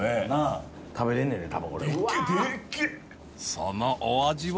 そのお味は？